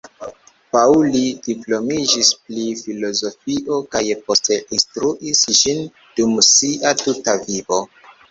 Pauli diplomiĝis pri filozofio kaj poste instruis ĝin dum sia tuta vivo.